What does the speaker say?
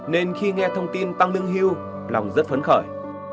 nên khi nghe thông tin tăng lương hưu lòng rất phấn khởi